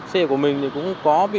xe của mình thì cũng có bị